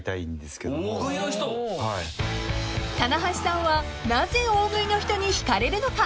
［棚橋さんはなぜ大食いの人に引かれるのか］